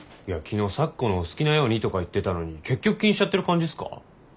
いや昨日「咲子のお好きなように」とか言ってたのに結局気にしちゃってる感じっすか？